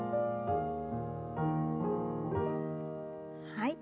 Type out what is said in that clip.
はい。